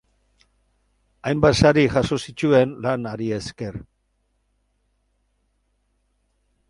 Hainbat sari jaso zituen lan hari esker.